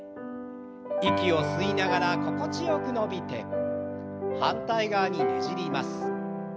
息を吸いながら心地よく伸びて反対側にねじります。